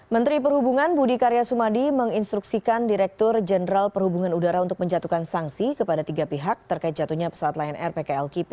menteri perhubungan budi karya sumadi menginstruksikan direktur jenderal perhubungan udara untuk menjatuhkan sanksi kepada tiga pihak terkait jatuhnya pesawat lion air pklkp